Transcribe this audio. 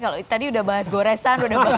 kalau tadi udah banyak goresan udah banyak